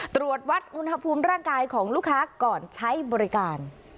ตรวจวัดอุณหภูมิร่างกายของลูกค้าก่อนใช้บริการ